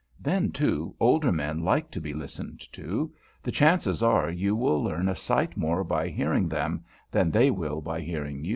Then, too, older men like to be listened to. The chances are you will learn a sight more by hearing them than they will by hearing you.